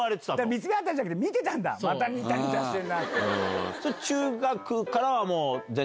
見つめ合ったんじゃなくて見てたんだニタニタしてるって。